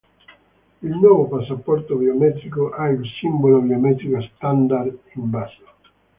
Il nuovo passaporto biometrico ha il simbolo biometrico standard in basso